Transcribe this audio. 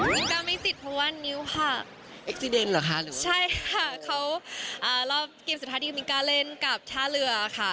มิก้าไม่ติดเพราะว่านิ้วหักหรอค่ะใช่ค่ะเขาอ่ารอบเกมสุดท้ายที่มิก้าเล่นกับท่าเรือค่ะ